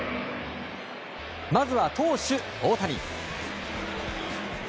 まずは投手・大谷。